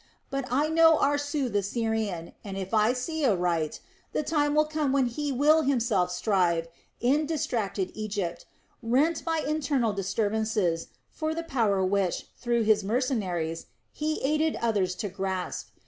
But I know Aarsu the Syrian, and if I see aright, the time will come when he will himself strive, in distracted Egypt, rent by internal disturbances, for the power which, through his mercenaries, he aided others to grasp.